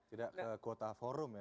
tidak kuota forum ya